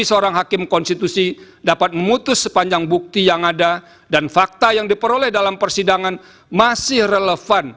seorang hakim konstitusi dapat memutus sepanjang bukti yang ada dan fakta yang diperoleh dalam persidangan masih relevan